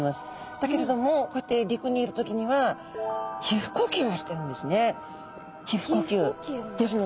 だけれどもこうやって陸にいる時には皮ふ呼吸をしてるんですね。